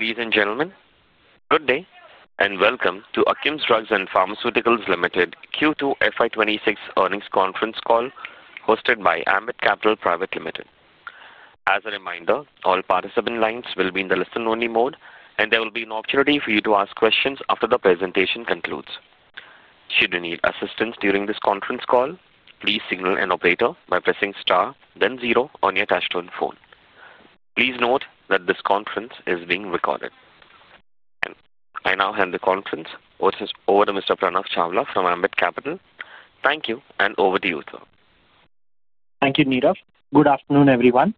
Ladies and gentlemen, good day and welcome to Akums Drugs and Pharmaceuticals Limited Q2 FY 2026 Earnings Conference Call hosted by Ambit Capital Private Limited. As a reminder, all participant lines will be in the listen-only mode, and there will be an opportunity for you to ask questions after the presentation concludes. Should you need assistance during this conference call, please signal an operator by pressing star, then zero on your touch-tone phone. Please note that this conference is being recorded. I now hand the conference over to Mr. Pranav Chawla from Ambit Capital. Thank you, and over to you, sir. Thank you, Neela. Good afternoon, everyone.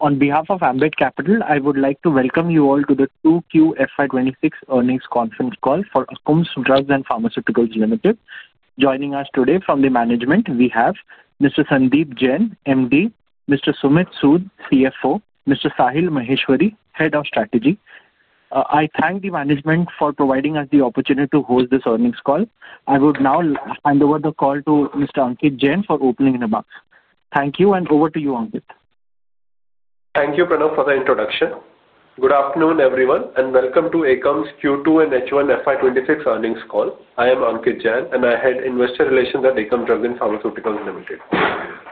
On behalf of Ambit Capital, I would like to welcome you all to the Q2 FY 2026 Earnings Conference Call for Akums Drugs and Pharmaceuticals Limited. Joining us today from the management, we have Mr. Sandeep Jain, MD, Mr. Sumeet Sood, CFO, Mr. Sahil Maheshwari, Head of Strategy. I thank the management for providing us the opportunity to host this earnings call. I would now hand over the call to Mr. Ankit Jain for opening remarks. Thank you, and over to you, Ankit. Thank you, Pranav, for the introduction. Good afternoon, everyone, and welcome to Akums Q2 and H1 FY 2026 Earnings Call. I am Ankit Jain, and I head Investor Relations at Akums Drugs and Pharmaceuticals Limited.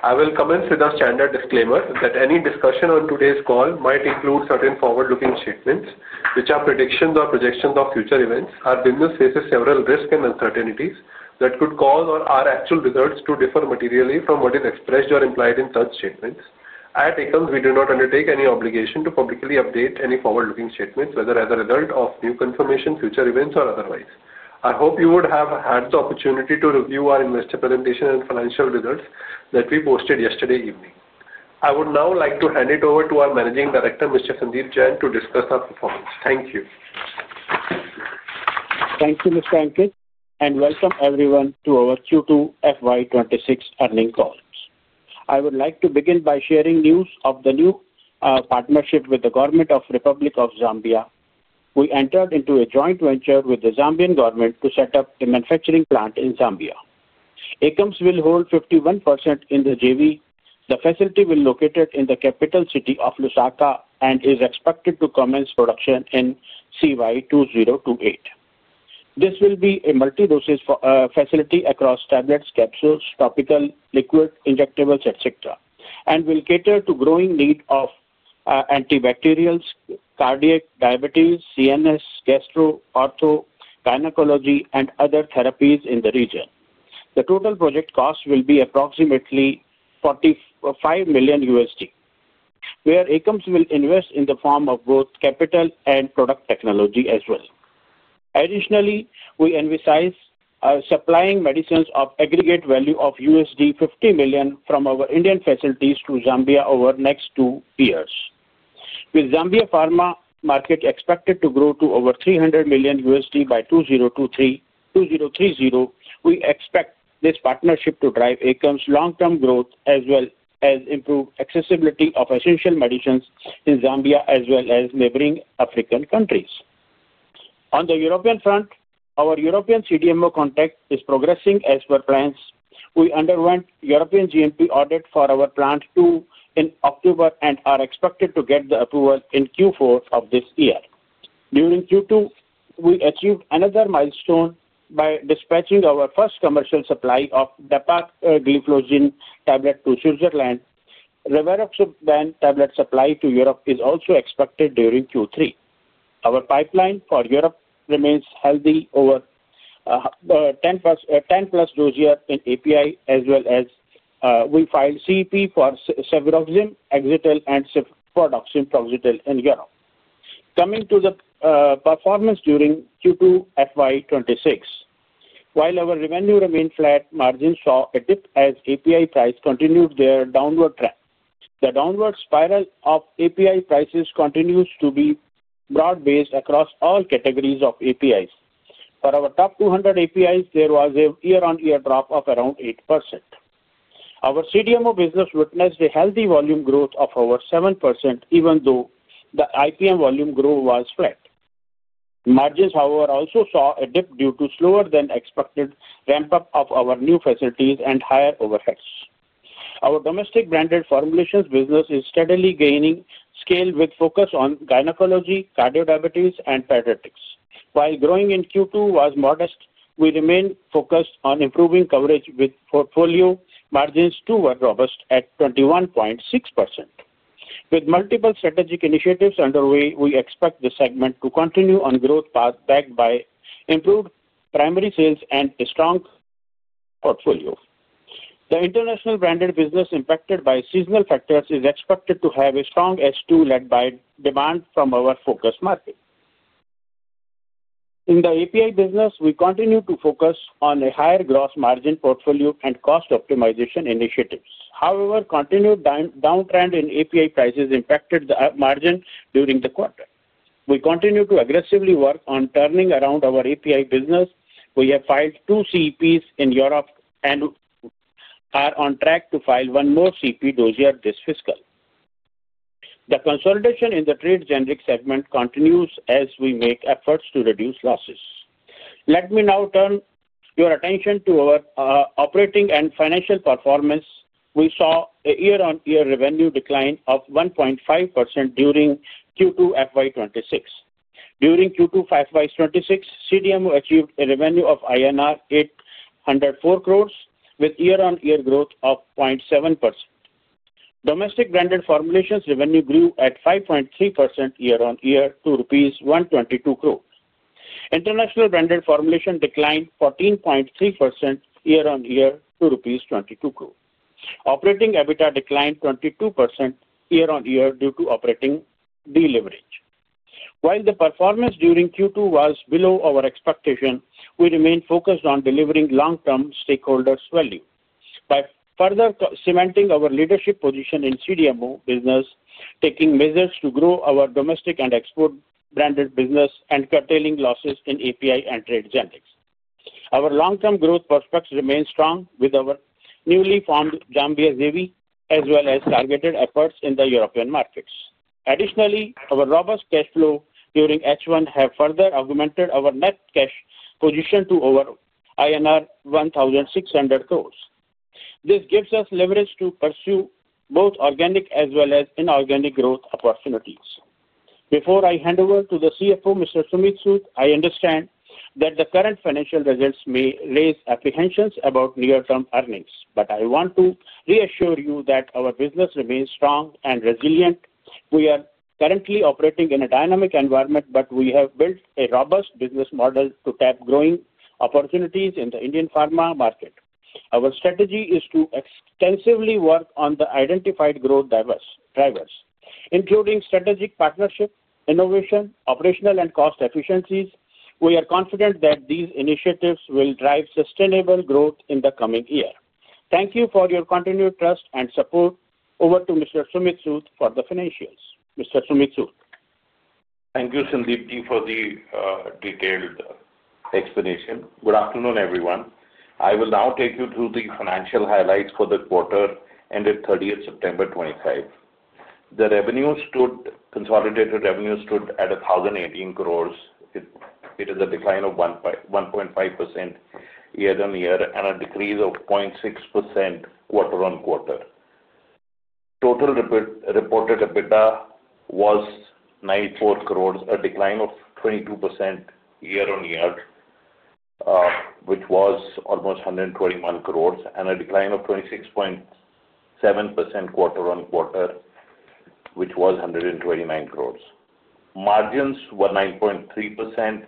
I will commence with a standard disclaimer that any discussion on today's call might include certain forward-looking statements, which are predictions or projections of future events, as business faces several risks and uncertainties that could cause or our actual results to differ materially from what is expressed or implied in such statements. At Akums, we do not undertake any obligation to publicly update any forward-looking statements, whether as a result of new confirmation, future events, or otherwise. I hope you would have had the opportunity to review our investor presentation and financial results that we posted yesterday evening. I would now like to hand it over to our MD, Mr. Sandeep Jain, to discuss our performance. Thank you. Thank you, Mr. Ankit, and welcome everyone to our FY 2026 Earnings Call. I would like to begin by sharing news of the new partnership with the Government of the Republic of Zambia. We entered into a joint venture with the Zambian government to set up a manufacturing plant in Zambia. Akums will hold 51% in the JV. The facility will be located in the capital city of Lusaka and is expected to commence production in CY 2028. This will be a multi-dosage facility across tablets, capsules, topical, liquid, injectables, etc., and will cater to the growing need of antibacterials, cardiac, diabetes, CNS, gastro, ortho-gynecology, and other therapies in the region. The total project cost will be approximately $45 million, where Akums will invest in the form of both capital and product technology as well. Additionally, we emphasize supplying medicines of aggregate value of $50 million from our Indian facilities to Zambia over the next two years. With the Zambia pharma market expected to grow to over $300 million by 2030, we expect this partnership to drive Akums' long-term growth as well as improve accessibility of essential medicines in Zambia as well as neighboring African countries. On the European front, our European CDMO contact is progressing as per plans. We underwent a European GMP audit for our plant in October and are expected to get the approval in Q4 of this year. During Q2, we achieved another milestone by dispatching our first commercial supply of Dapagliflozin tablet to Switzerland. Rivaroxaban tablet supply to Europe is also expected during Q3. Our pipeline for Europe remains healthy over 10+ dossier in API, as well as we filed CEP for Cefuroxime, Axetil, and Cefpodoxime Proxetil in Europe. Coming to the performance during Q2 FY 2026, while our revenue remained flat, margins saw a dip as API prices continued their downward trend. The downward spiral of API prices continues to be broad-based across all categories of APIs. For our top 200 APIs, there was a year-on-year drop of around 8%. Our CDMO business witnessed a healthy volume growth of over 7%, even though the IPM volume growth was flat. Margins, however, also saw a dip due to slower-than-expected ramp-up of our new facilities and higher overheads. Our domestic branded formulations business is steadily gaining scale with focus on gynecology, cardiodiabetes, and pediatrics. While growing in Q2 was modest, we remained focused on improving coverage with portfolio margins too robust at 21.6%. With multiple strategic initiatives underway, we expect the segment to continue on a growth path backed by improved primary sales and a strong portfolio. The international branded business impacted by seasonal factors is expected to have a strong S2 led by demand from our focus market. In the API business, we continue to focus on a higher gross margin portfolio and cost optimization initiatives. However, continued downtrend in API prices impacted the margin during the quarter. We continue to aggressively work on turning around our API business. We have filed two CEPs in Europe and are on track to file one more CEP this year this fiscal. The consolidation in the trade generics segment continues as we make efforts to reduce losses. Let me now turn your attention to our operating and financial performance. We saw a year-on-year revenue decline of 1.5% during Q2 FY 2026. During Q2 FY 2026, CDMO achieved a revenue of INR 804 crores, with year-on-year growth of 0.7%. Domestic branded formulations revenue grew at 5.3% year-on-year to rupees 122 crores. International branded formulations declined 14.3% year-on-year to rupees 22 crores. Operating EBITDA declined 22% year-on-year due to operating deleverage. While the performance during Q2 was below our expectation, we remained focused on delivering long-term stakeholders' value. By further cementing our leadership position in the CDMO business, we are taking measures to grow our domestic and export branded business and curtailing losses in API and trade generics. Our long-term growth prospects remain strong with our newly formed Zambia JV, as well as targeted efforts in the European markets. Additionally, our robust cash flow during H1 has further augmented our net cash position to over INR 1,600 crores. This gives us leverage to pursue both organic as well as inorganic growth opportunities. Before I hand over to the CFO, Mr. Sumeet Sood, I understand that the current financial results may raise apprehensions about near-term earnings, but I want to reassure you that our business remains strong and resilient. We are currently operating in a dynamic environment, but we have built a robust business model to tap growing opportunities in the Indian pharma market. Our strategy is to extensively work on the identified growth drivers, including strategic partnership, innovation, operational, and cost efficiencies. We are confident that these initiatives will drive sustainable growth in the coming year. Thank you for your continued trust and support. Over to Mr. Sumeet Sood for the financials. Mr. Sumeet Sood. Thank you, Sandeep Ji, for the detailed explanation. Good afternoon, everyone. I will now take you through the financial highlights for the quarter ended 30th September 2025. The consolidated revenue stood at 1,018 crore. It is a decline of 1.5% year-on-year and a decrease of 0.6% quarter-on-quarter. Total reported EBITDA was 94 crore, a decline of 22% year-on-year, which was almost 121 crore, and a decline of 26.7% quarter-on-quarter, which was 129 crore. Margins were 9.3%,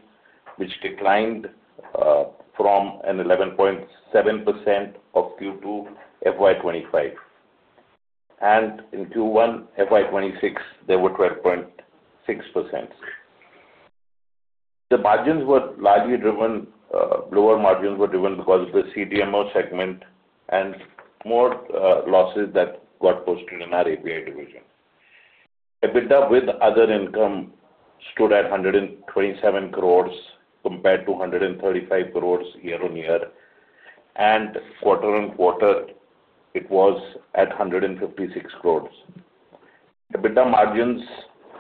which declined from 11.7% in Q2 FY 2025. In Q1 FY 2026, they were 12.6%. The lower margins were largely driven because of the CDMO segment and more losses that got posted in our API division. EBITDA with other income stood at 127 crore compared to 135 crore year-on-year, and quarter-on-quarter, it was at 156 crore. EBITDA margins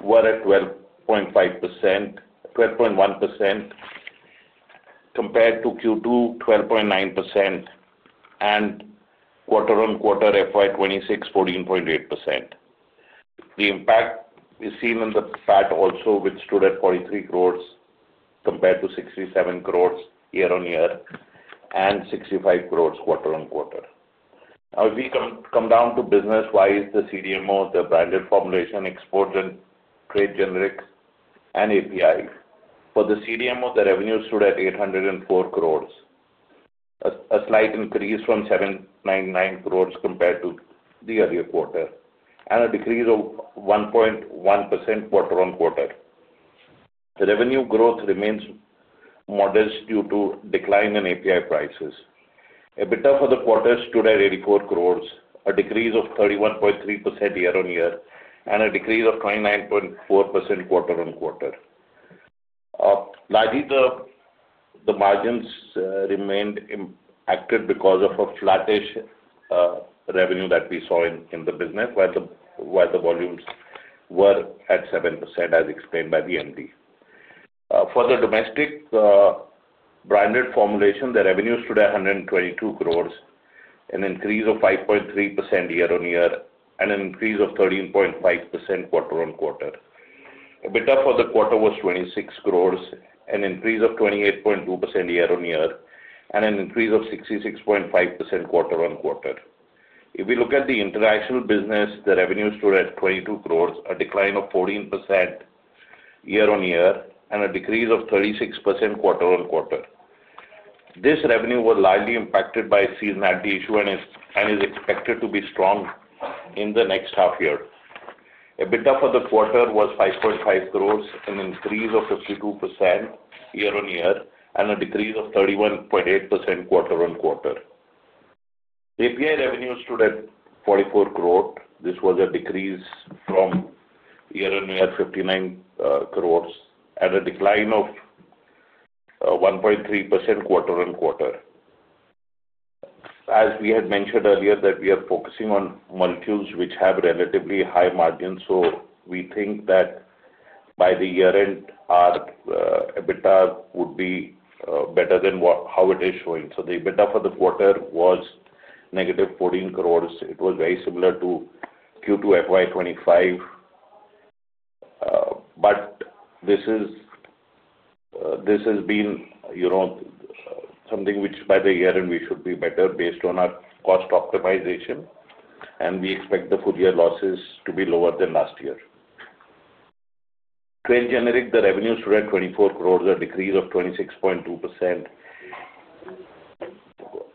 were at 12.1% compared to Q2, 12.9%, and quarter-on-quarter FY 2026, 14.8%. The impact is seen in the chart also, which stood at 43 crore compared to 67 crore year-on-year and 65 crore quarter-on-quarter. Now, if we come down to business-wise, the CDMO, the branded formulation, export, and trade generics, and API. For the CDMO, the revenue stood at 804 crore, a slight increase from 799 crore compared to the earlier quarter, and a decrease of 1.1% quarter-on-quarter. The revenue growth remains modest due to decline in API prices. EBITDA for the quarter stood at 84 crore, a decrease of 31.3% year-on-year, and a decrease of 29.4% quarter-on-quarter. Largely, the margins remained impacted because of a flattish revenue that we saw in the business, while the volumes were at 7%, as explained by the MD. For the domestic branded formulation, the revenue stood at 122 crore, an increase of 5.3% year-on-year, and an increase of 13.5% quarter-on-quarter. EBITDA for the quarter was 26 crore, an increase of 28.2% year-on-year, and an increase of 66.5% quarter-on-quarter. If we look at the international business, the revenue stood at 22 crore, a decline of 14% year-on-year, and a decrease of 36% quarter-on-quarter. This revenue was largely impacted by seasonality issues and is expected to be strong in the next half year. EBITDA for the quarter was 5.5 crore, an increase of 52% year-on-year, and a decrease of 31.8% quarter-on-quarter. API revenue stood at 44 crore. This was a decrease from year-on-year 59 crore and a decline of 1.3% quarter-on-quarter. As we had mentioned earlier, we are focusing on molecules which have relatively high margins, so we think that by the year-end, our EBITDA would be better than how it is showing. The EBITDA for the quarter was -14 crore. It was very similar to Q2 FY 2025, but this has been something which by the year-end, we should be better based on our cost optimization, and we expect the full-year losses to be lower than last year. Trade generic, the revenue stood at 24 crore, a decrease of 26.2%,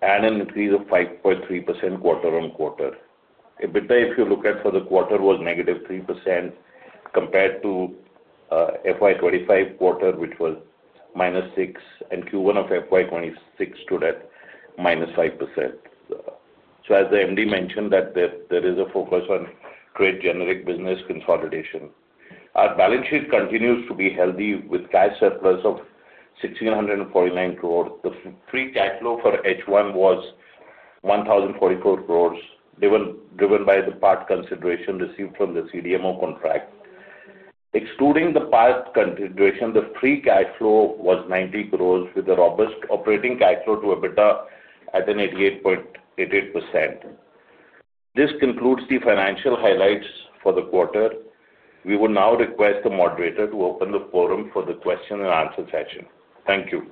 and an increase of 5.3% quarter-on-quarter. EBITDA, if you look at for the quarter, was -3% compared to FY 2025 quarter, which was -6%, and Q1 of FY 2026 stood at -5%. As the MD mentioned, there is a focus on trade generic business consolidation. Our balance sheet continues to be healthy with cash surplus of 1,649 crore. The free cash flow for H1 was 1,044 crore, driven by the part consideration received from the CDMO contract. Excluding the part consideration, the free cash flow was 90 crore, with a robust operating cash flow to EBITDA at 88.88%. This concludes the financial highlights for the quarter. We will now request the moderator to open the forum for the question-and-answer session. Thank you.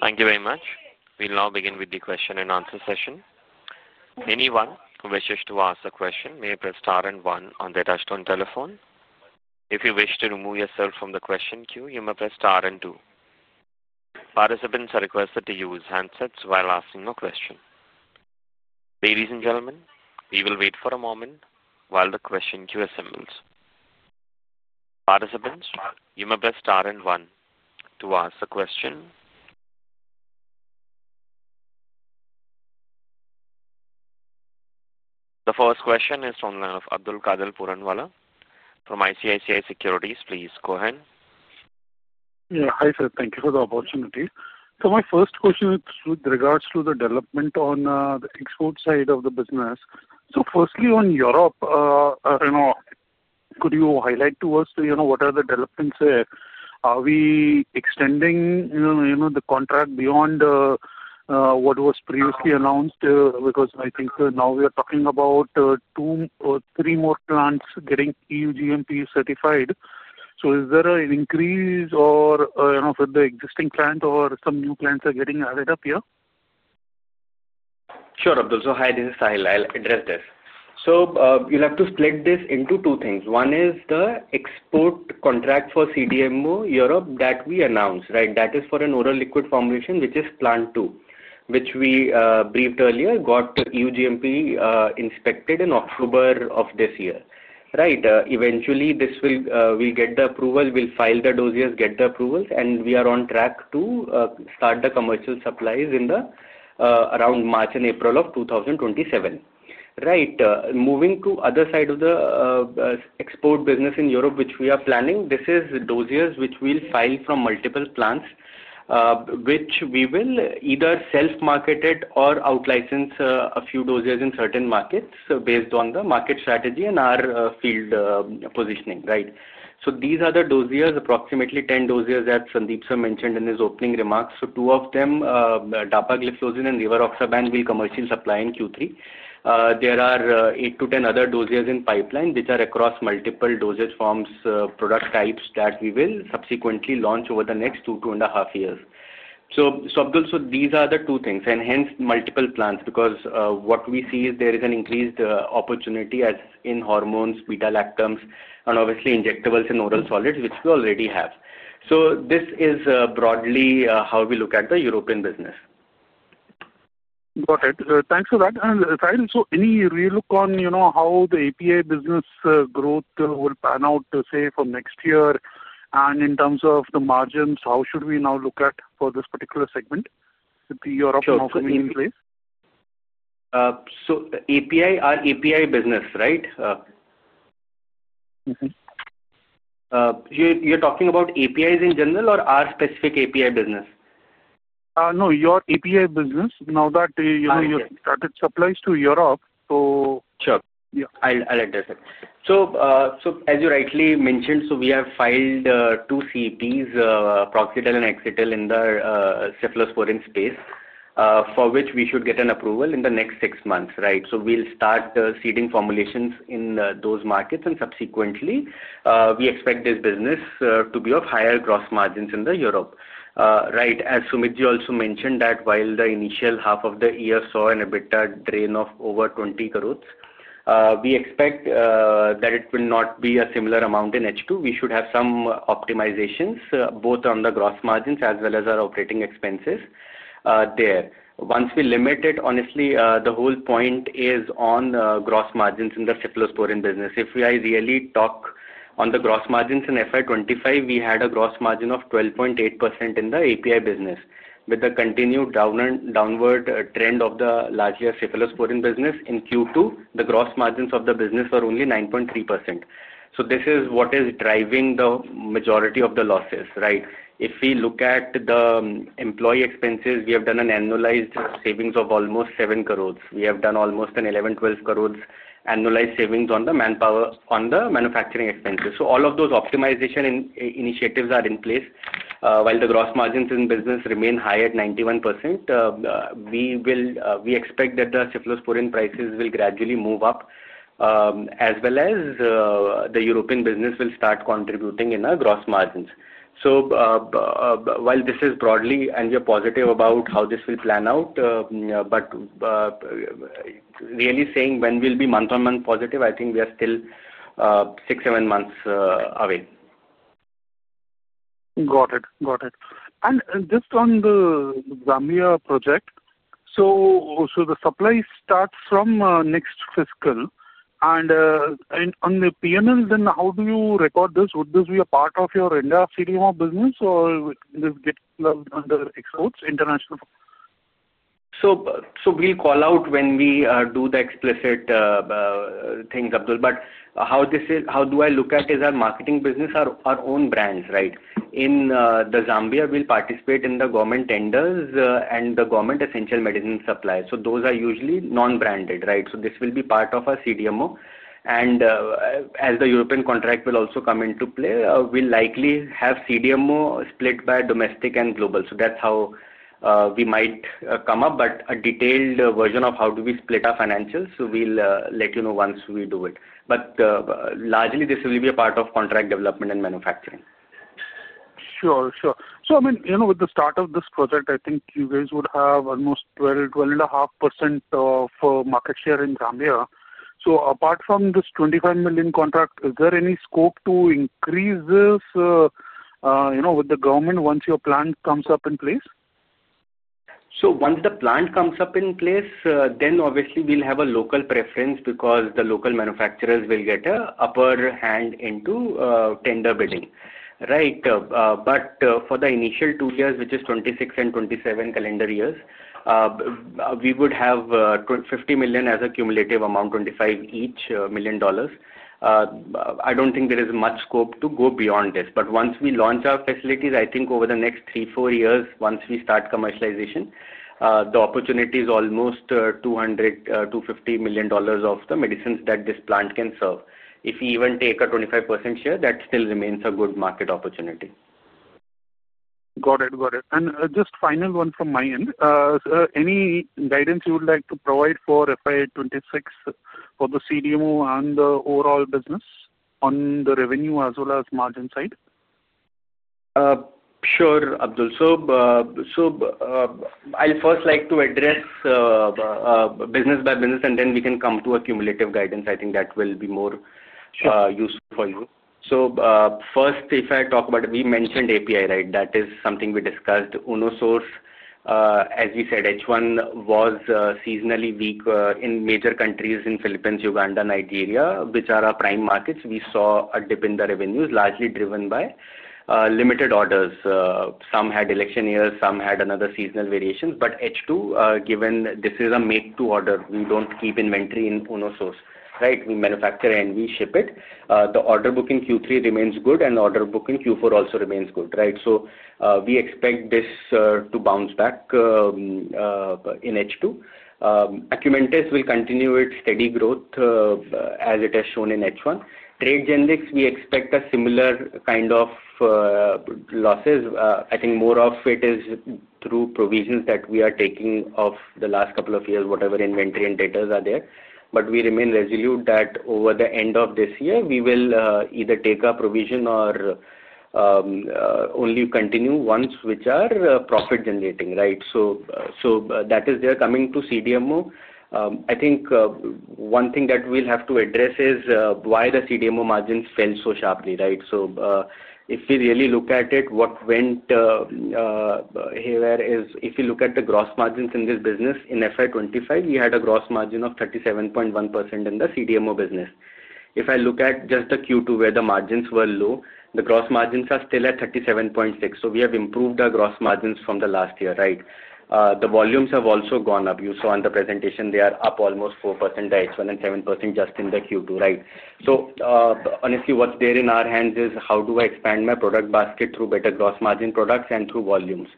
Thank you very much. We'll now begin with the question-and-answer session. Anyone who wishes to ask a question may press star and one on their touchstone telephone. If you wish to remove yourself from the question queue, you may press star and two. Participants are requested to use handsets while asking a question. Ladies and gentlemen, we will wait for a moment while the question queue assembles. Participants, you may press star and one to ask a question. The first question is from Abdulkader Puranwala from ICICI Securities. Please go ahead. Yeah, hi sir. Thank you for the opportunity. My first question with regards to the development on the export side of the business. Firstly, on Europe, could you highlight to us what are the developments there? Are we extending the contract beyond what was previously announced? I think now we are talking about two or three more plants getting EU GMP certified. Is there an increase for the existing plant or some new plants are getting added up here? Sure, Abdul. Hi, this is Sahil. I'll address this. You'll have to split this into two things. One is the export contract for CDMO Europe that we announced, right? That is for an oral liquid formulation, which is plant two, which we briefed earlier, got EU GMP inspected in October of this year. Right? Eventually, we'll get the approval, we'll file the dossiers, get the approvals, and we are on track to start the commercial supplies around March and April of 2027. Right? Moving to the other side of the export business in Europe, which we are planning, this is dossiers which we'll file from multiple plants, which we will either self-market or out-license a few dossiers in certain markets based on the market strategy and our field positioning, right? These are the dossiers, approximately 10 dossiers that Sandeep Sir mentioned in his opening remarks. Two of them, Dapagliflozin and Rivaroxaban, will be commercially supplying Q3. There are eight to 10 other dossiers in pipeline which are across multiple dosage forms, product types that we will subsequently launch over the next two, two and a half years. Abdul Sir, these are the two things. Hence, multiple plants, because what we see is there is an increased opportunity as in hormones, beta-lactams, and obviously injectables and oral solids, which we already have. This is broadly how we look at the European business. Got it. Thanks for that. Sahil, any re-look on how the API business growth will pan out, say, from next year? In terms of the margins, how should we now look at for this particular segment with the European offering in place? API, our API business, right? You're talking about APIs in general or our specific API business? No, your API business. Now that you've started supplies to Europe, so. Sure. I'll address it. As you rightly mentioned, we have filed two CEPs, Proxetil and Axetil, in the cephalosporin space for which we should get an approval in the next six months, right? We will start seeding formulations in those markets, and subsequently, we expect this business to be of higher gross margins in Europe, right? As Sumeet Ji also mentioned, while the initial half of the year saw an EBITDA drain of over 20 crore, we expect that it will not be a similar amount in H2. We should have some optimizations both on the gross margins as well as our operating expenses there. Once we limit it, honestly, the whole point is on gross margins in the cephalosporin business. If I really talk on the gross margins in FY 2025, we had a gross margin of 12.8% in the API business. With the continued downward trend of last year's cephalosporin business in Q2, the gross margins of the business were only 9.3%. This is what is driving the majority of the losses, right? If we look at the employee expenses, we have done an annualized savings of almost 7 crore. We have done almost 11 crore-12 crore annualized savings on the manpower, on the manufacturing expenses. All of those optimization initiatives are in place. While the gross margins in business remain high at 91%, we expect that the cephalosporin prices will gradually move up, as well as the European business will start contributing in gross margins. This is broadly, and we are positive about how this will plan out, but really saying when we'll be month-on-month positive, I think we are still six-seven months away. Got it. Got it. Just on the Zambia project, the supply starts from next fiscal. On the P&L, how do you record this? Would this be a part of your India CDMO business, or will this get under exports international? We'll call out when we do the explicit things, Abdul. But how do I look at it is our marketing business, our own brands, right? In Zambia, we'll participate in the government tenders and the government essential medicine supplies. Those are usually non-branded, right? This will be part of our CDMO. As the European contract will also come into play, we'll likely have CDMO split by domestic and global. That's how we might come up. A detailed version of how we split our financials, we'll let you know once we do it. Largely, this will be a part of contract development and manufacturing. Sure. Sure. I mean, with the start of this project, I think you guys would have almost 12%-12.5% of market share in Zambia. Apart from this $25 million contract, is there any scope to increase this with the government once your plant comes up in place? Once the plan comes up in place, then obviously we'll have a local preference because the local manufacturers will get an upper hand into tender bidding, right? For the initial two years, which is 2026 and 2027 calendar years, we would have $50 million as a cumulative amount, $25 million each. I don't think there is much scope to go beyond this. Once we launch our facilities, I think over the next three to four years, once we start commercialization, the opportunity is almost $200 million-$250 million of the medicines that this plant can serve. If we even take a 25% share, that still remains a good market opportunity. Got it. Got it. Just final one from my end. Any guidance you would like to provide for FY 2026 for the CDMO and the overall business on the revenue as well as margin side? Sure, Abdul. I'll first like to address business by business, and then we can come to a cumulative guidance. I think that will be more useful for you. First, if I talk about it, we mentioned API, right? That is something we discussed. Unosource, as we said, H1 was seasonally weak in major countries in the Philippines, Uganda, Nigeria, which are our prime markets. We saw a dip in the revenues, largely driven by limited orders. Some had election years, some had another seasonal variations. H2, given this is a make-to-order, we do not keep inventory in Unosource, right? We manufacture and we ship it. The order book in Q3 remains good, and the order book in Q4 also remains good, right? We expect this to bounce back in H2. Acumentis will continue its steady growth as it has shown in H1. Trade generics, we expect a similar kind of losses. I think more of it is through provisions that we are taking of the last couple of years, whatever inventory and datas are there. We remain resolute that over the end of this year, we will either take a provision or only continue ones which are profit-generating, right? That is there. Coming to CDMO, I think one thing that we'll have to address is why the CDMO margins fell so sharply, right? If we really look at it, what went here is if you look at the gross margins in this business, in FY 2025, we had a gross margin of 37.1% in the CDMO business. If I look at just the Q2, where the margins were low, the gross margins are still at 37.6%. We have improved our gross margins from the last year, right? The volumes have also gone up. You saw in the presentation, they are up almost 4% by H1 and 7% just in the Q2, right? Honestly, what's there in our hands is how do I expand my product basket through better gross margin products and through volumes,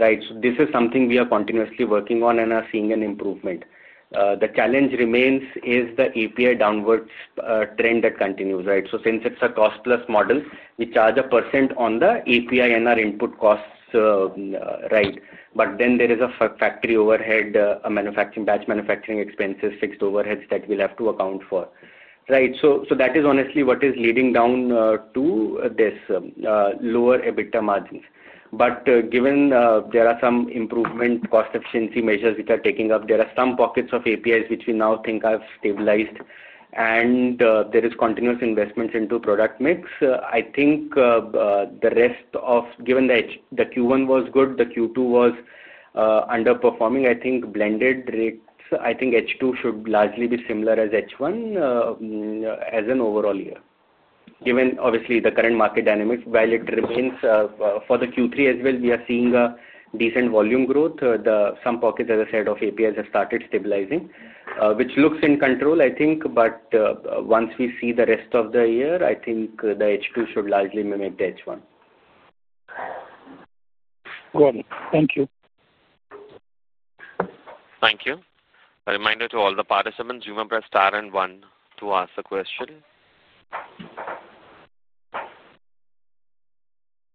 right? This is something we are continuously working on and are seeing an improvement. The challenge remains is the API downward trend that continues, right? Since it's a cost-plus model, we charge a percent on the API and our input costs, right? Then there is a factory overhead, a batch manufacturing expenses, fixed overheads that we'll have to account for, right? That is honestly what is leading down to this lower EBITDA margins. Given there are some improvement cost efficiency measures which are taking up, there are some pockets of APIs which we now think have stabilized, and there is continuous investment into product mix. I think the rest of given the Q1 was good, the Q2 was underperforming. I think blended rates, I think H2 should largely be similar as H1 as an overall year. Given obviously the current market dynamics, while it remains for the Q3 as well, we are seeing a decent volume growth. Some pockets, as I said, of APIs have started stabilizing, which looks in control, I think. Once we see the rest of the year, I think the H2 should largely mimic the H1. Got it. Thank you. Thank you. A reminder to all the participants, you may press star and one to ask a question.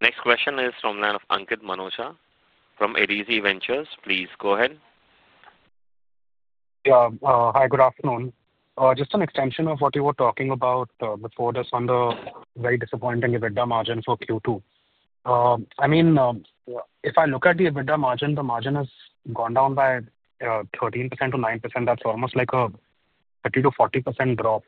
Next question is from Ankit Minocha from Adezi Ventures. Please go ahead. Yeah. Hi, good afternoon. Just an extension of what you were talking about before, just on the very disappointing EBITDA margin for Q2. I mean, if I look at the EBITDA margin, the margin has gone down by 13%-9%. That's almost like a 30%-40% drop.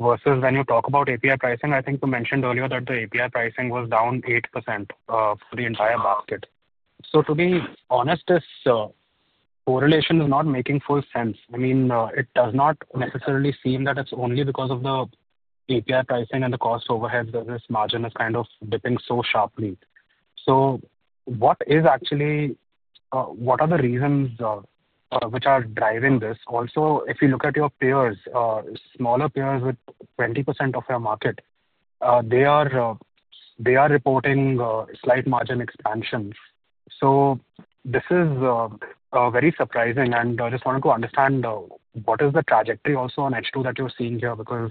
Versus when you talk about API pricing, I think you mentioned earlier that the API pricing was down 8% for the entire basket. So to be honest, this correlation is not making full sense. I mean, it does not necessarily seem that it's only because of the API pricing and the cost overhead that this margin is kind of dipping so sharply. What is actually, what are the reasons which are driving this? Also, if you look at your peers, smaller peers with 20% of our market, they are reporting slight margin expansions. This is very surprising, and I just wanted to understand what is the trajectory also on H2 that you're seeing here because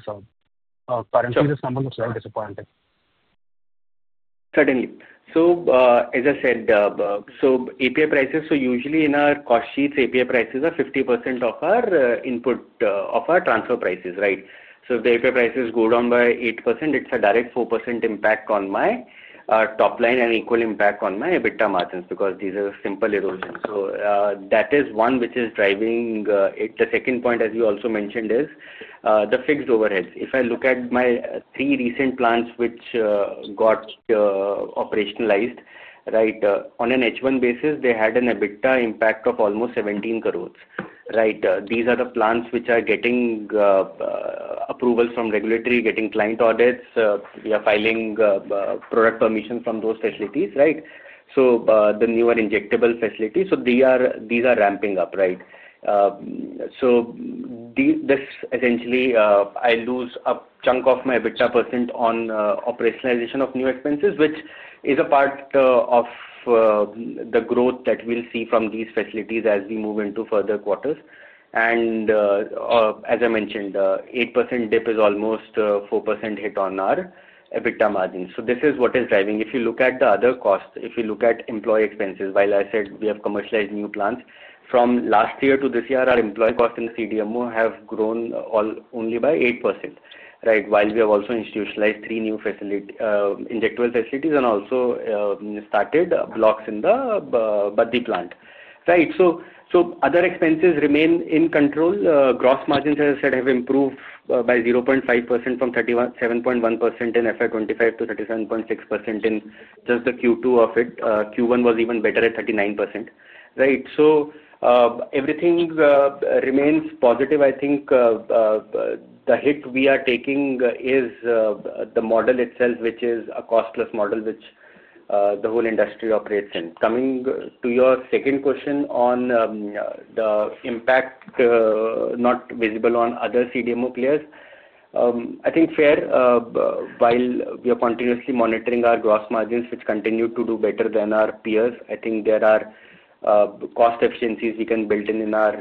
currently this number looks very disappointing. Certainly. As I said, API prices, usually in our cost sheets, API prices are 50% of our input, of our transfer prices, right? If the API prices go down by 8%, it is a direct 4% impact on my top line and equal impact on my EBITDA margins because these are simple erosions. That is one which is driving it. The second point, as you also mentioned, is the fixed overheads. If I look at my three recent plants which got operationalized, on an H1 basis, they had an EBITDA impact of almost 17 crore, right? These are the plants which are getting approvals from regulatory, getting client audits. We are filing product permission from those facilities, right? The newer injectable facilities, these are ramping up, right? So this essentially I lose a chunk of my EBITDA percent on operationalization of new expenses, which is a part of the growth that we'll see from these facilities as we move into further quarters. As I mentioned, 8% dip is almost 4% hit on our EBITDA margins. This is what is driving. If you look at the other costs, if you look at employee expenses, while I said we have commercialized new plants, from last year to this year, our employee cost in the CDMO have grown only by 8%, right? While we have also institutionalized three new injectable facilities and also started blocks in the Baddi plant, right? Other expenses remain in control. Gross margins, as I said, have improved by 0.5% from 37.1% in FY 2025 to 37.6% in just the Q2 of it. Q1 was even better at 39%, right? Everything remains positive. I think the hit we are taking is the model itself, which is a cost-plus model which the whole industry operates in. Coming to your second question on the impact not visible on other CDMO players, I think fair. While we are continuously monitoring our gross margins, which continue to do better than our peers, I think there are cost efficiencies we can build in our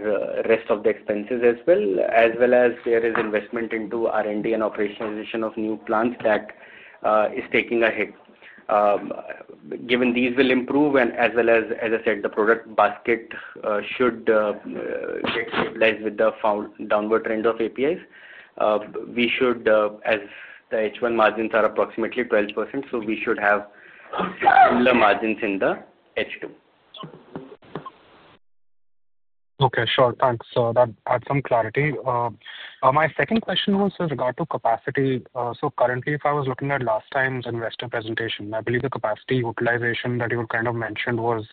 rest of the expenses as well, as well as there is investment into R&D and operationalization of new plants that is taking a hit. Given these will improve, and as well as, as I said, the product basket should get stabilized with the downward trend of APIs, we should, as the H1 margins are approximately 12%, so we should have similar margins in the H2. Okay. Sure. Thanks. That adds some clarity. My second question was with regard to capacity. Currently, if I was looking at last time's investor presentation, I believe the capacity utilization that you kind of mentioned was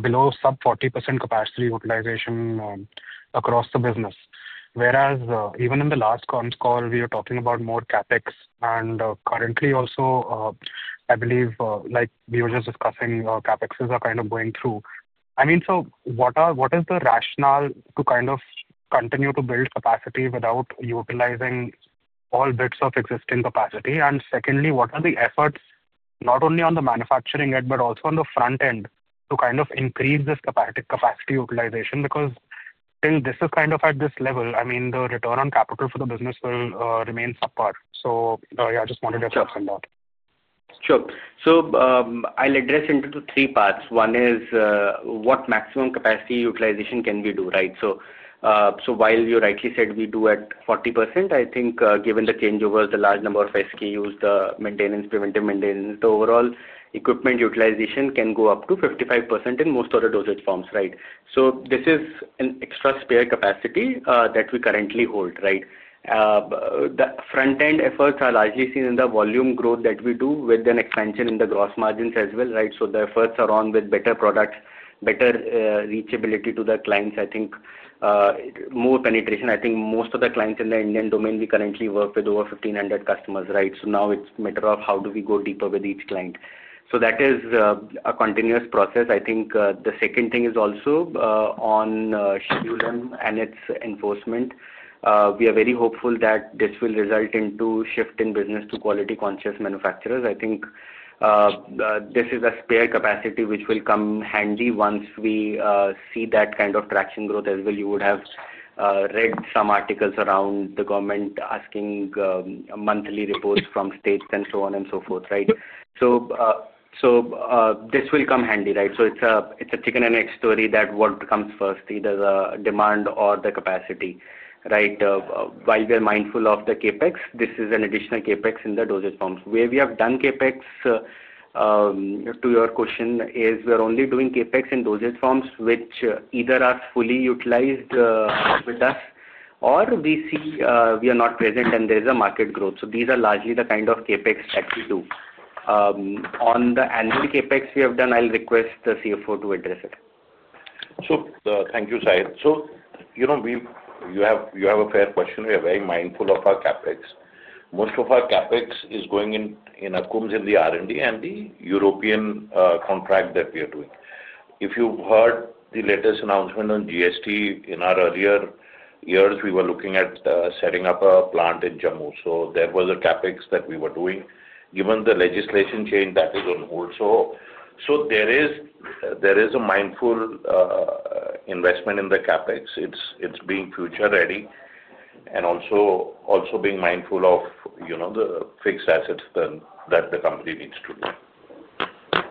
below sub 40% capacity utilization across the business. Whereas even in the last comms call, we were talking about more CapEx. Currently also, I believe, like we were just discussing, CapEx is kind of going through. I mean, what is the rationale to kind of continue to build capacity without utilizing all bits of existing capacity? Secondly, what are the efforts, not only on the manufacturing end, but also on the front end to kind of increase this capacity utilization? Because I think this is kind of at this level, I mean, the return on capital for the business will remain super. Yeah, I just wanted to address on that. Sure. I'll address in three parts. One is what maximum capacity utilization can we do, right? While you rightly said we do at 40%, I think given the changeovers, the large number of SKUs, the maintenance, preventive maintenance, the overall equipment utilization can go up to 55% in most other dosage forms, right? This is an extra spare capacity that we currently hold, right? The front-end efforts are largely seen in the volume growth that we do with an expansion in the gross margins as well, right? The efforts are on with better products, better reachability to the clients, I think more penetration. I think most of the clients in the Indian domain, we currently work with over 1,500 customers, right? Now it's a matter of how do we go deeper with each client. That is a continuous process. I think the second thing is also on scheduling and its enforcement. We are very hopeful that this will result in a shift in business to quality-conscious manufacturers. I think this is a spare capacity which will come handy once we see that kind of traction growth as well. You would have read some articles around the government asking monthly reports from states and so on and so forth, right? This will come handy, right? It is a chicken-and-egg story that what comes first, either the demand or the capacity, right? While we are mindful of the CapEx, this is an additional CapEx in the dosage forms. Where we have done CapEx, to your question, is we are only doing CapEx in dosage forms which either are fully utilized with us or we see we are not present and there is a market growth. These are largely the kind of CapEx that we do. On the annual CapEx we have done, I'll request the CFO to address it. Thank you, Sahil. You have a fair question. We are very mindful of our CapEx. Most of our CapEx is going in Akums in the R&D and the European contract that we are doing. If you have heard the latest announcement on GST, in our earlier years, we were looking at setting up a plant in Jammu. There was a CapEx that we were doing. Given the legislation change, that is on hold, so there is a mindful investment in the CapEx. It is being future-ready and also being mindful of the fixed assets that the company needs to do.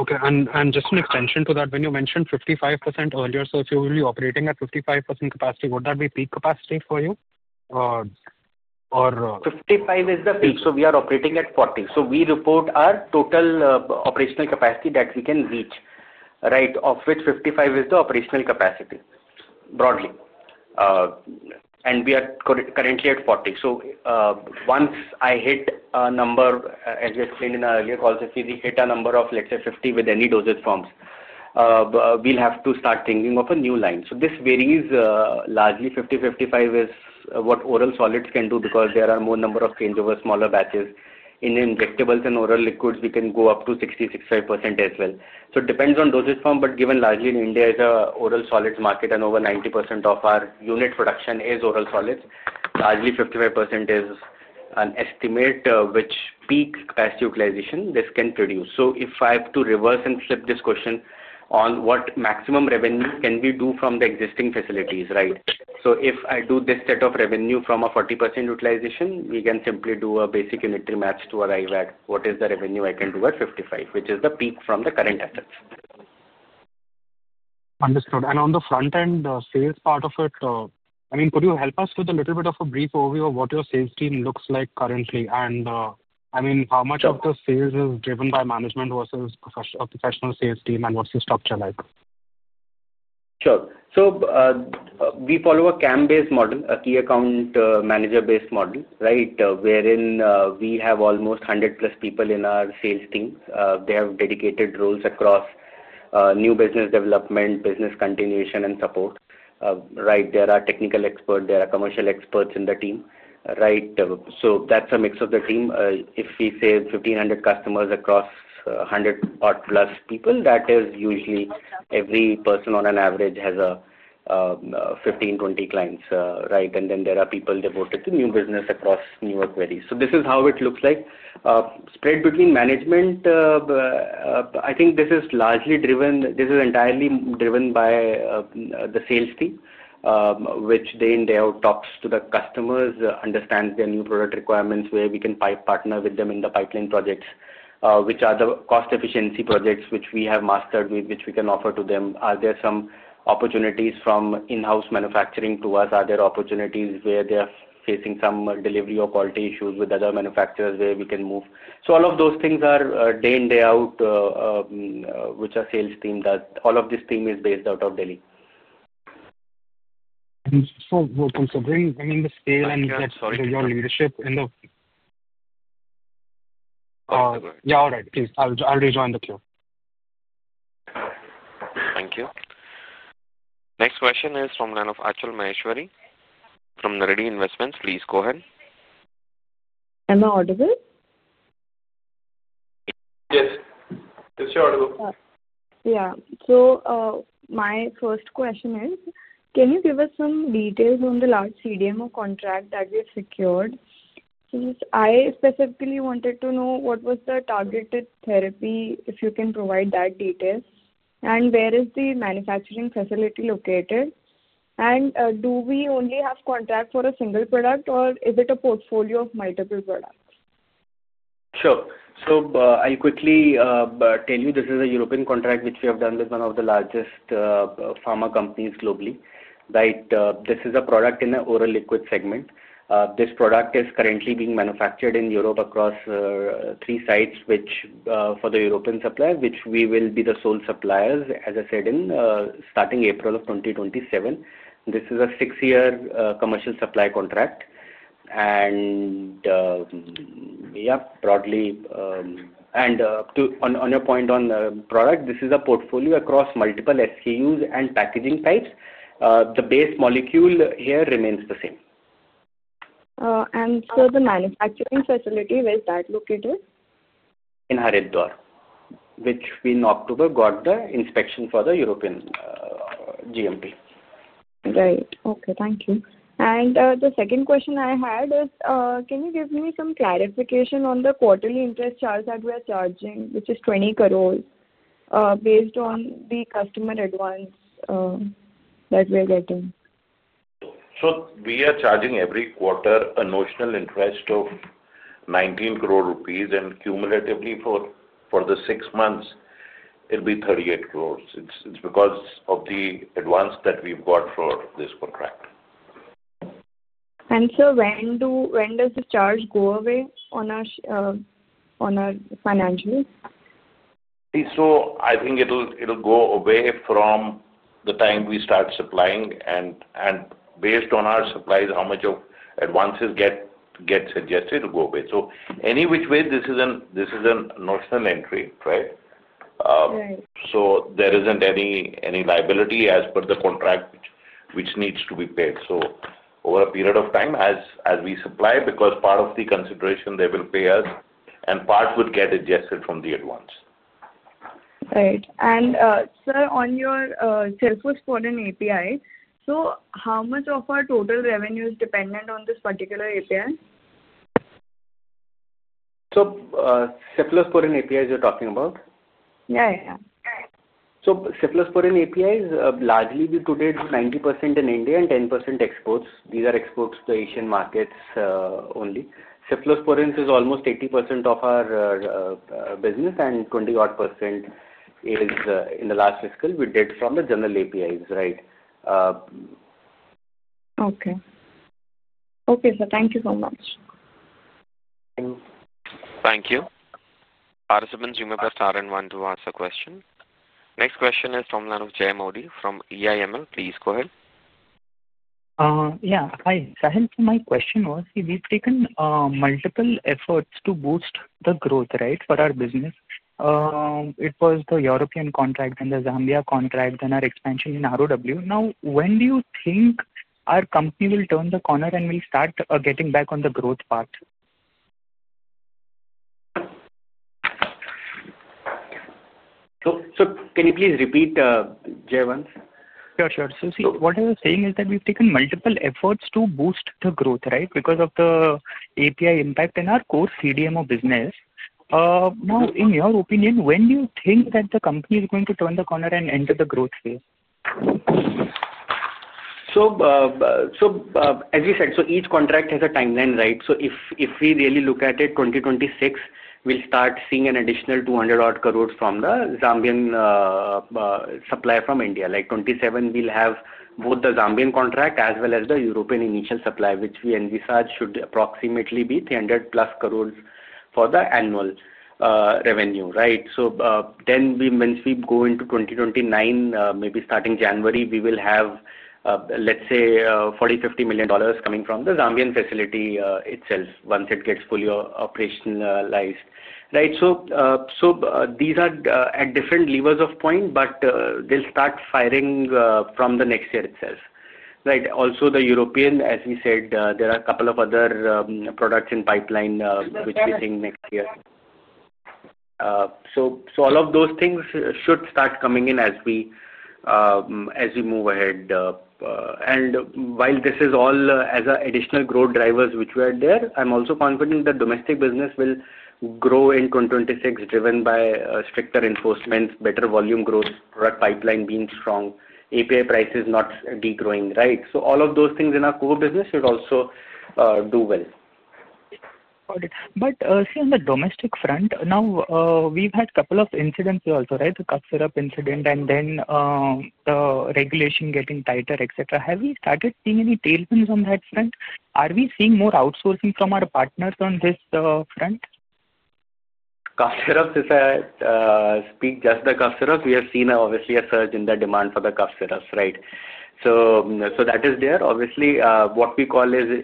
Okay. And just an extension to that, when you mentioned 55% earlier, if you're only operating at 55% capacity, would that be peak capacity for you or? 55% is the peak. We are operating at 40%. We report our total operational capacity that we can reach, right, of which 55% is the operational capacity broadly. We are currently at 40%. Once I hit a number, as I explained in earlier calls, if we hit a number of, let's say, 50% with any dosage forms, we'll have to start thinking of a new line. This varies largely. 50%, 55% is what oral solids can do because there are more changeovers, smaller batches. In injectables and oral liquids, we can go up to 60%-65% as well. It depends on dosage form, but given largely in India is an oral solids market and over 90% of our unit production is oral solids, largely 55% is an estimate which peak capacity utilization this can produce. If I have to reverse and flip this question on what maximum revenue can we do from the existing facilities, right? If I do this set of revenue from a 40% utilization, we can simply do a basic unitary match to arrive at what is the revenue I can do at 55%, which is the peak from the current assets. Understood. On the front-end sales part of it, I mean, could you help us with a little bit of a brief overview of what your sales team looks like currently? I mean, how much of the sales is driven by management versus a professional sales team and what's the structure like? Sure. We follow a CAM-based model, a key account manager-based model, right, wherein we have almost 100+ people in our sales team. They have dedicated roles across new business development, business continuation, and support, right? There are technical experts. There are commercial experts in the team, right? That is a mix of the team. If we say 1,500 customers across 100+ people, that is usually every person on an average has 15, 20 clients, right? There are people devoted to new business across newer queries. This is how it looks like. Spread between management, I think this is largely driven, this is entirely driven by the sales team, which day in, day out talks to the customers, understands their new product requirements, where we can partner with them in the pipeline projects, which are the cost efficiency projects which we have mastered, which we can offer to them. Are there some opportunities from in-house manufacturing to us? Are there opportunities where they are facing some delivery or quality issues with other manufacturers where we can move? All of those things are day in, day out, which our sales team does. All of this team is based out of Delhi. Thank you so much. To bring in the scale and get your leadership in the. All right. Yeah, all right. Please. I'll rejoin the queue. Thank you. Next question is from one of Achal Maheshwari from NAREDI Investments. Please go ahead. Am I audible? Yes. Is she audible? Yeah. So my first question is, can you give us some details on the large CDMO contract that we have secured? Since I specifically wanted to know what was the targeted therapy, if you can provide that detail. Where is the manufacturing facility located? Do we only have contract for a single product, or is it a portfolio of multiple products? Sure. I'll quickly tell you this is a European contract which we have done with one of the largest pharma companies globally, right? This is a product in the oral liquid segment. This product is currently being manufactured in Europe across three sites, which for the European supplier, we will be the sole suppliers, as I said, starting April of 2027. This is a six-year commercial supply contract. Yeah, broadly. On your point on the product, this is a portfolio across multiple SKUs and packaging types. The base molecule here remains the same. The manufacturing facility, where is that located? In Haridwar, which we in October got the inspection for the European GMP. Right. Okay. Thank you. The second question I had is, can you give me some clarification on the quarterly interest charge that we are charging, which is 20 crore, based on the customer advance that we are getting? We are charging every quarter a notional interest of 19 crore rupees, and cumulatively for the six months, it'll be 38 crore. It's because of the advance that we've got for this contract. When does the charge go away on our financials? I think it'll go away from the time we start supplying. Based on our supplies, how much of advances get adjusted will go away. Any which way, this is a notional entry, right? There isn't any liability as per the contract which needs to be paid. Over a period of time, as we supply, because part of the consideration they will pay us, and part would get adjusted from the advance. Right. And sir, on your Cephalosporin API, so how much of our total revenue is dependent on this particular API? Cephalosporin API, you're talking about? Yeah, yeah. Cephalosporin API is largely we today do 90% in India and 10% exports. These are exports to Asian markets only. Cephalosporin is almost 80% of our business, and 20-odd percent is in the last fiscal we did from the general APIs, right? Okay. Okay, sir. Thank you so much. Thank you. Thank you. Parasiman, you may press star and one to ask a question. Next question is from one of Jay Modi from EIML. Please go ahead. Yeah. Hi. Sahil, my question was, we've taken multiple efforts to boost the growth, right, for our business. It was the European contract and the Zambia contract and our expansion in ROW. Now, when do you think our company will turn the corner and will start getting back on the growth path? Can you please repeat Jay? Sure, sure. See, what I was saying is that we've taken multiple efforts to boost the growth, right, because of the API impact in our core CDMO business. Now, in your opinion, when do you think that the company is going to turn the corner and enter the growth phase? As we said, each contract has a timeline, right? If we really look at it, in 2026, we'll start seeing an additional 200-odd crore from the Zambian supplier from India. In 2027, we'll have both the Zambian contract as well as the European initial supply, which we envisage should approximately be 300+ crore for the annual revenue, right? Once we go into 2029, maybe starting January, we will have, let's say, $40 million, $50 million coming from the Zambian facility itself once it gets fully operationalized, right? These are at different levers of point, but they'll start firing from next year itself, right? Also, the European, as we said, there are a couple of other products in the pipeline which we think next year. All of those things should start coming in as we move ahead. While this is all as an additional growth driver, which we are there, I'm also confident that domestic business will grow in 2026 driven by stricter enforcement, better volume growth, product pipeline being strong, API prices not degrowing, right? All of those things in our core business should also do well. Got it. See, on the domestic front, now we've had a couple of incidents also, right? The cough syrup incident and then the regulation getting tighter, etc. Have we started seeing any tailwinds on that front? Are we seeing more outsourcing from our partners on this front? Cough syrup, if I speak just the cough syrup, we have seen obviously a surge in the demand for the cough syrups, right? That is there. Obviously, what we call is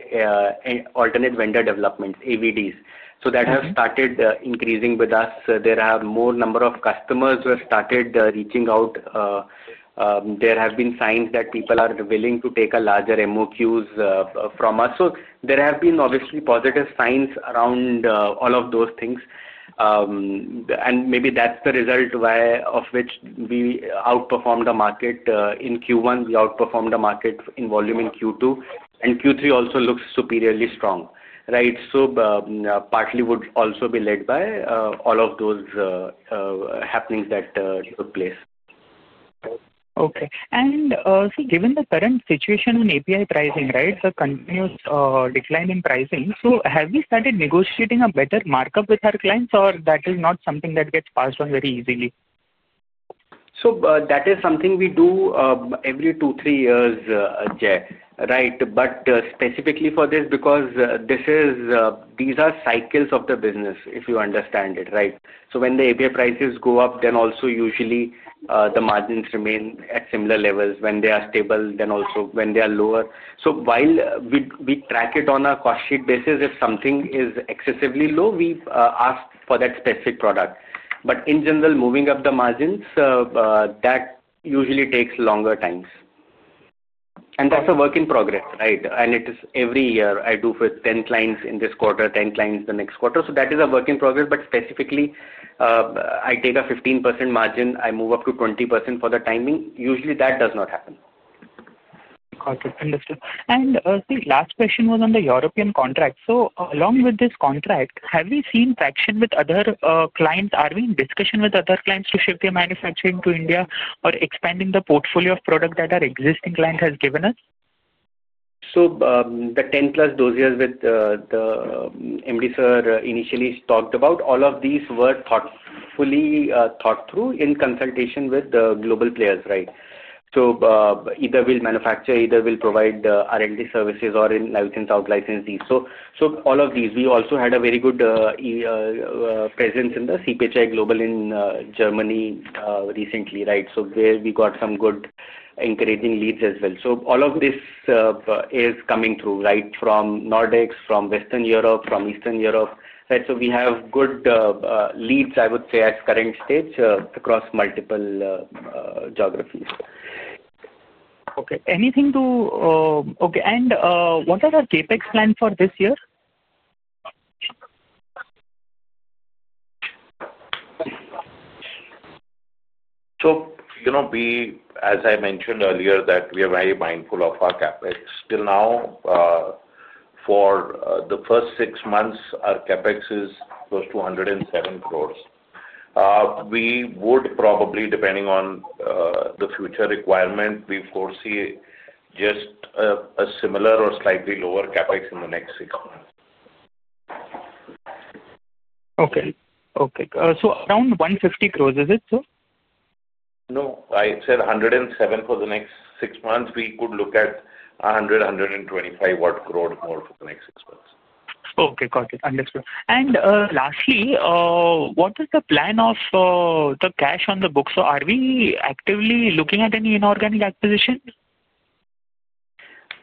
alternate vendor development, AVDs. That has started increasing with us. There are more number of customers who have started reaching out. There have been signs that people are willing to take larger MOQs from us. There have been obviously positive signs around all of those things. Maybe that's the result of which we outperformed the market in Q1. We outperformed the market in volume in Q2. Q3 also looks superiorly strong, right? Partly would also be led by all of those happenings that took place. Okay. See, given the current situation on API pricing, right, the continuous decline in pricing, have we started negotiating a better markup with our clients, or that is not something that gets passed on very easily? That is something we do every two, three years, Jay, right? Specifically for this, because these are cycles of the business, if you understand it, right? When the API prices go up, then also usually the margins remain at similar levels. When they are stable, then also when they are lower. While we track it on a cost sheet basis, if something is excessively low, we ask for that specific product. In general, moving up the margins, that usually takes longer times. That is a work in progress, right? It is every year. I do with 10 clients in this quarter, 10 clients the next quarter. That is a work in progress. Specifically, I take a 15% margin, I move up to 20% for the timing. Usually, that does not happen. Got it. Understood. Last question was on the European contract. Along with this contract, have we seen traction with other clients? Are we in discussion with other clients to shift their manufacturing to India or expanding the portfolio of product that our existing client has given us? The 10+ dossier that the MD sir initially talked about, all of these were thoughtfully thought through in consultation with the global players, right? Either we'll manufacture, either we'll provide R&D services, or in-license, out-license these. All of these, we also had a very good presence in the CPHI Global in Germany recently, right? There we got some good encouraging leads as well. All of this is coming through, right, from Nordics, from Western Europe, from Eastern Europe, right? We have good leads, I would say, at current stage across multiple geographies. Okay. Anything to okay. What are our CapEx plans for this year? As I mentioned earlier, we are very mindful of our CapEx. Still now, for the first six months, our CapEx is close to 107 crore. We would probably, depending on the future requirement, foresee just a similar or slightly lower CapEx in the next six months. Okay. Okay. So around 150 crore, is it so? No. I said 107 crore for the next six months. We could look at 100 crore-125 crore more for the next six months. Okay. Got it. Understood. Lastly, what is the plan of the cash on the books? Are we actively looking at any inorganic acquisition?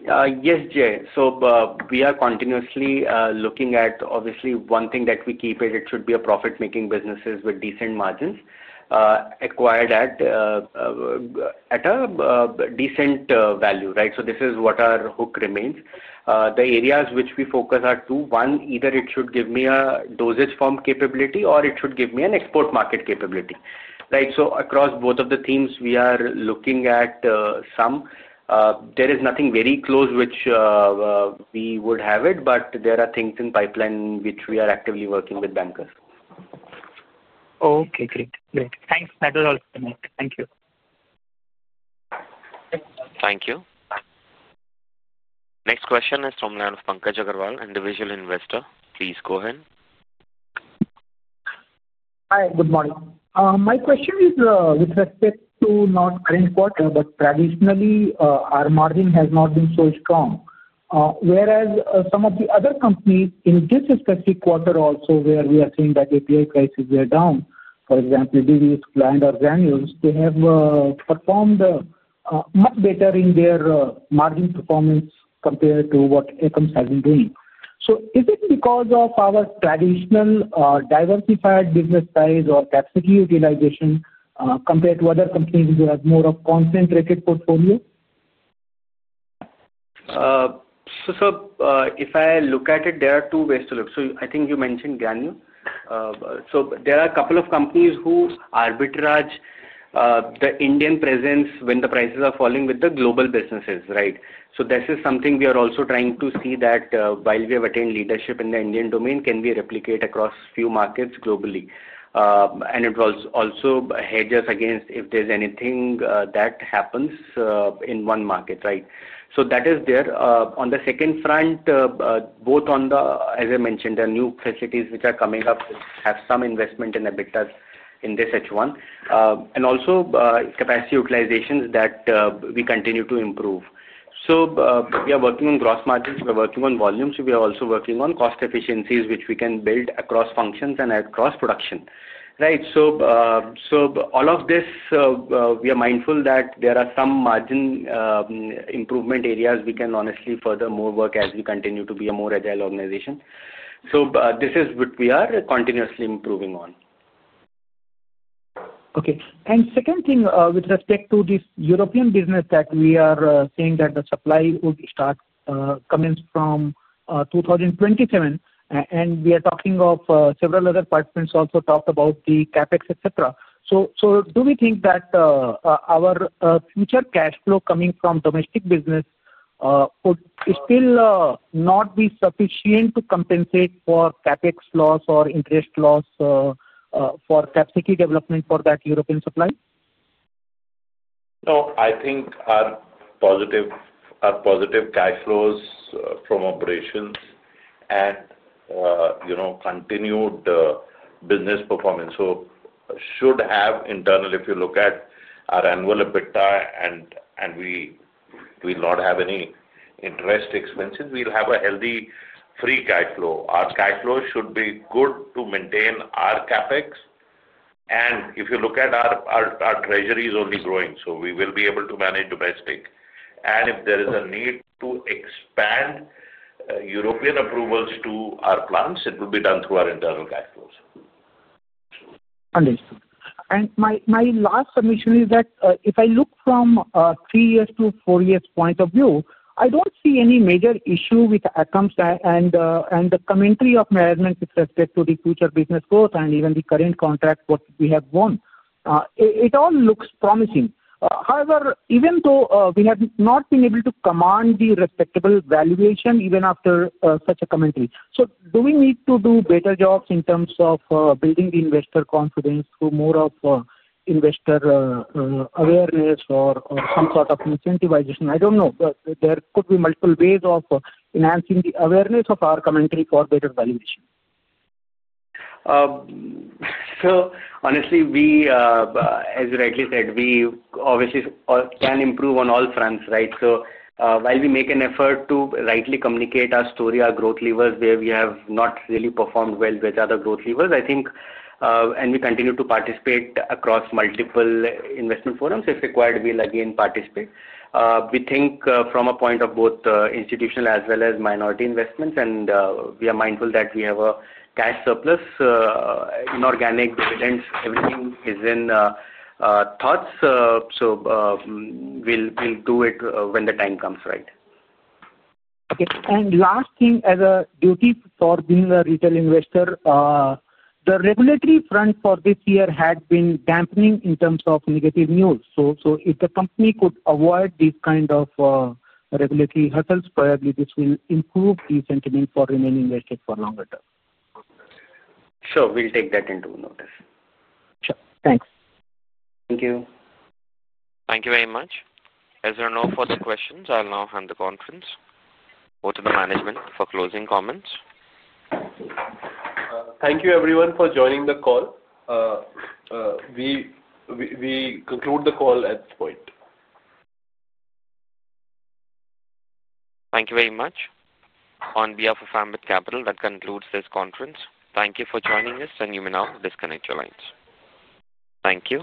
Yes, Jay. We are continuously looking at, obviously, one thing that we keep it, it should be a profit-making business with decent margins acquired at a decent value, right? This is what our hook remains. The areas which we focus are two. One, either it should give me a dosage form capability or it should give me an export market capability, right? Across both of the themes, we are looking at some. There is nothing very close which we would have it, but there are things in pipeline which we are actively working with bankers. Okay. Great. Great. Thanks. That was all for me. Thank you. Thank you. Next question is from one of Pankaj Agarwal, individual investor. Please go ahead. Hi. Good morning. My question is with respect to not current quarter, but traditionally, our margin has not been so strong. Whereas some of the other companies in this specific quarter also, where we are seeing that API prices were down, for example, Divi's, Gland, or Granules, they have performed much better in their margin performance compared to what Akums has been doing. Is it because of our traditional diversified business size or capacity utilization compared to other companies who have more of a concentrated portfolio? If I look at it, there are two ways to look. I think you mentioned Granules. There are a couple of companies who arbitrage the Indian presence when the prices are falling with the global businesses, right? This is something we are also trying to see, that while we have attained leadership in the Indian domain, can we replicate across a few markets globally? It also hedges against if there's anything that happens in one market, right? That is there. On the second front, both on the, as I mentioned, the new facilities which are coming up have some investment in arbitrage in this H1. Also, capacity utilizations that we continue to improve. We are working on gross margins. We are working on volumes. We are also working on cost efficiencies which we can build across functions and across production, right? All of this, we are mindful that there are some margin improvement areas we can honestly further more work as we continue to be a more agile organization. This is what we are continuously improving on. Okay. Second thing, with respect to this European business that we are saying that the supply would start coming from 2027, and we are talking of several other partners also talked about the CapEx, etc. Do we think that our future cash flow coming from domestic business would still not be sufficient to compensate for CapEx loss or interest loss for capacity development for that European supply? No. I think our positive cash flows from operations and continued business performance should have internal, if you look at our annual EBITDA, and we will not have any interest expenses, we'll have a healthy free cash flow. Our cash flow should be good to maintain our CapEx. If you look at our treasury, it is only growing, so we will be able to manage domestic. If there is a need to expand European approvals to our plants, it will be done through our internal cash flows. Understood. My last submission is that if I look from a three-year to four-year point of view, I do not see any major issue with Akums and the commentary of management with respect to the future business growth and even the current contract, what we have won. It all looks promising. However, even though we have not been able to command the respectable valuation even after such a commentary, do we need to do better jobs in terms of building the investor confidence through more of investor awareness or some sort of incentivization? I do not know. There could be multiple ways of enhancing the awareness of our commentary for better valuation. Honestly, as you rightly said, we obviously can improve on all fronts, right? While we make an effort to rightly communicate our story, our growth levers where we have not really performed well with other growth levers, I think, and we continue to participate across multiple investment forums. If required, we'll again participate. We think from a point of both institutional as well as minority investments, and we are mindful that we have a cash surplus, inorganic dividends, everything is in thoughts. We'll do it when the time comes, right? Okay. Last thing, as a duty for being a retail investor, the regulatory front for this year had been dampening in terms of negative news. If the company could avoid these kind of regulatory hurdles, probably this will improve the sentiment for remaining investors for longer term. We'll take that into notice. Sure. Thanks. Thank you. Thank you very much. As you know, for the questions, I'll now hand the conference over to the management for closing comments. Thank you, everyone, for joining the call. We conclude the call at this point. Thank you very much. On behalf of Ambit Capital, that concludes this conference. Thank you for joining us. You may now disconnect your lines. Thank you.